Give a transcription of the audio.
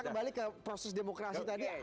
kembali ke proses demokrasi tadi